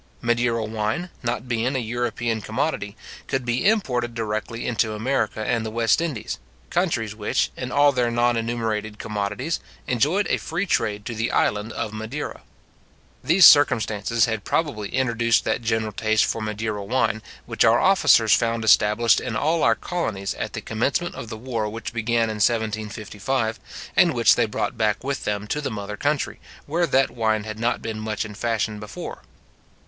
Madeira wine, not being an European commodity, could be imported directly into America and the West Indies, countries which, in all their non enumerated commodities, enjoyed a free trade to the island of Madeira. These circumstances had probably introduced that general taste for Madeira wine, which our officers found established in all our colonies at the commencement of the war which began in 1755, and which they brought back with them to the mother country, where that wine had not been much in fashion before.